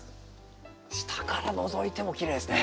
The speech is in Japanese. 下からのぞいてもきれいですね。